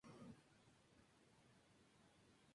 Las comisiones falleras se dividen por sectores.